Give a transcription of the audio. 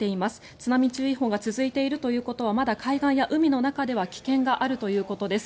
津波注意報が続いているということはまだ海岸や海の中では危険があるということです。